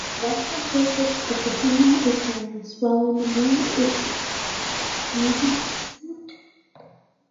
The ventral surface of the female is hairless, while in the male is pubescent.